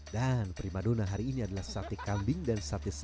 dan primadona hari ini adalah sate kambing dan sate sate